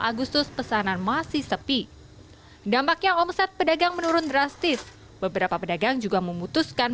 agustus pesanan masih sepi dampaknya omset pedagang menurun drastis beberapa pedagang juga memutuskan